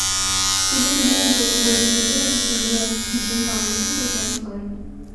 তিনি বিভিন্ন বই লিখেছেন এবং ইন্ডিয়া ভিশন ফাউন্ডেশন পরিচালনা করেন।